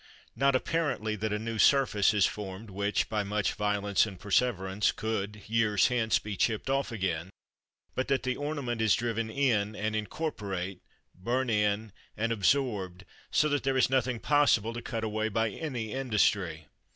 Not, apparently, that a new surface is formed which, by much violence and perseverance, could, years hence, be chipped off again; but that the "ornament" is driven in and incorporate, burnt in and absorbed, so that there is nothing possible to cut away by any industry.